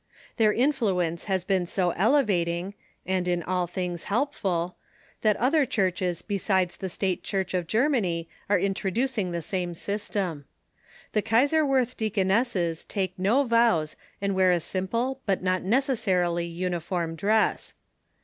Their influence has been so elevating, and in all things helpful, that other churches besides the State Church of Germany are introducing the same system. The Kaiserswerth deaconesses take no vows and wear a simple but not necessarily uniform dress.